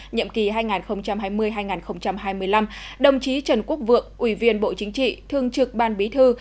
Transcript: nhiệm kỳ hai nghìn hai mươi hai nghìn hai mươi năm đồng chí trần quốc vượng ủy viên bộ chính trị thương trực ban bí thư